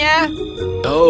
tapi bagaimana caranya